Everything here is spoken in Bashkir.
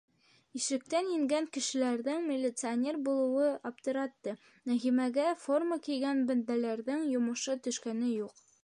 Ишектән ингән кешеләрҙең милиционер булыуы аптыратты: Нәғимәгә форма кейгән бәндәләрҙең йомошо төшкәне юҡ.